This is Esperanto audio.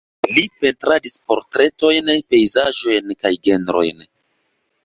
Li pentradis portretojn, pejzaĝojn kaj ĝenrojn.